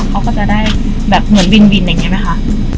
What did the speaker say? เขาก็จะได้แบบเหมือนวินอย่างนี้ไหมคะ